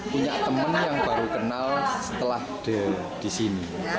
punya teman yang baru kenal setelah di sini